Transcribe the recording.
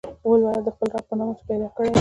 ولوله د خپل هغه رب په نامه چې پيدا يې کړ.